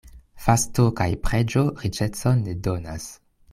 Fasto kaj preĝo riĉecon ne donas.